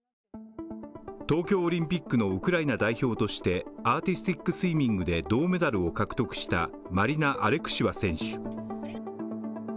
東京オリンピックのウクライナ代表としてアーティスティックスイミングで銅メダルを獲得したマリナ・アレクシワ選手。